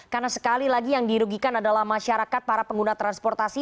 karena sekali lagi yang dirugikan adalah masyarakat para pengguna transportasi